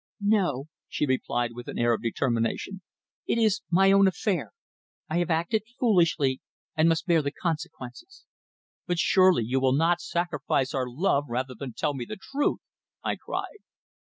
"No," she replied, with an air of determination. "It is my own affair. I have acted foolishly and must bear the consequences." "But surely you will not sacrifice our love rather than tell me the truth!" I cried.